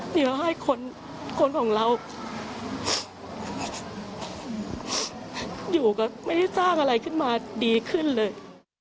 เดี๋ยวให้คนของเราอยู่กับไม่ได้สร้างอะไรขึ้นมาดีขึ้นเลย